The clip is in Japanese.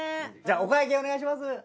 じゃあお会計お願いします。